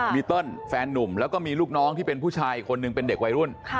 มีเติ้ลแฟนนุ่มแล้วก็มีลูกน้องที่เป็นผู้ชายอีกคนนึงเป็นเด็กวัยรุ่น